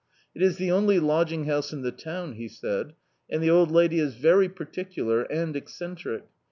"It is the only lodging house in the town," he said, "and the old lady is very particular and eccentric.